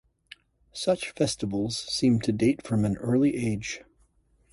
Such festivals seem to date from an early age.